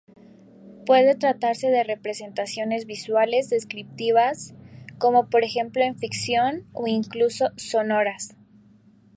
Puede tratarse de representaciones visuales, descriptivas, como por ejemplo en ficción, o incluso sonoras.